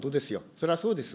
それはそうです。